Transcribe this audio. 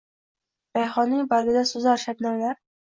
Rayhonning bargida suzar shabnamlar.